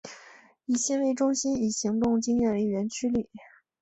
以心为中心以行动经验为原驱力。